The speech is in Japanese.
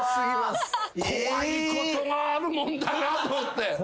怖いことがあるもんだなと思って。